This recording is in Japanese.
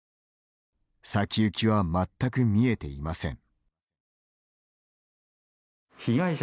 先行きは全く見えていません。